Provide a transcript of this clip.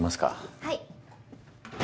はい。